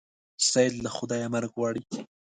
سید له خدایه مرګ غواړي.